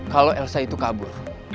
kalau elsa itu kabur